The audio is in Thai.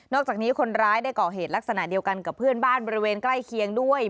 อกจากนี้คนร้ายได้ก่อเหตุลักษณะเดียวกันกับเพื่อนบ้านบริเวณใกล้เคียงด้วย